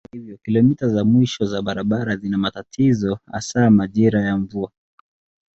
Hata hivyo kilomita za mwisho za barabara zina matatizo hasa majira ya mvua.